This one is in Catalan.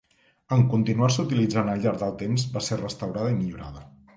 En continuar-se utilitzant al llarg del temps, va ser restaurada i millorada.